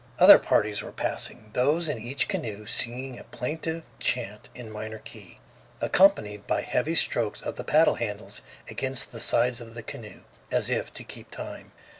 Other parties were passing, those in each canoe singing a plaintive chant in minor key, accompanied by heavy strokes of the paddle handles against the sides of the canoe, as if to keep time.